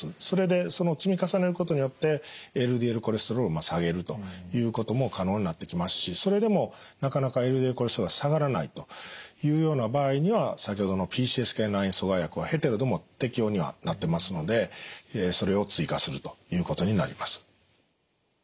それでその積み重ねることによってＬＤＬコレステロール下げるということも可能になってきますしそれでもなかなかＬＤＬコレステロール下がらないというような場合には先ほどのＰＣＳＫ９阻害薬はヘテロでも適用にはなってますのでそれを追加するということになります。